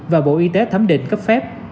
và bộ y tế thấm định cấp phép